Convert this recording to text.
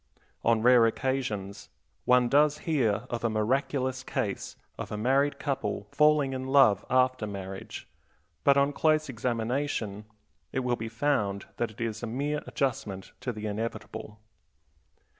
On rare occasions one does hear of a miraculous case of a married couple falling in love after marriage, but on close examination it will be found that it is a mere adjustment to the inevitable.